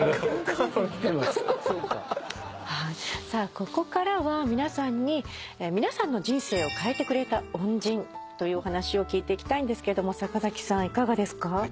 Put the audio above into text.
さあここからは皆さんに「皆さんの人生を変えてくれた恩人」というお話を聞いていきたいんですけども坂崎さんいかがですか？